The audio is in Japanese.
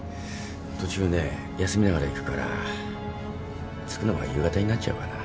途中ね休みながら行くから着くのは夕方になっちゃうかな。